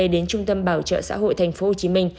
đến trung tâm bảo trợ xã hội thành phố hồ chí minh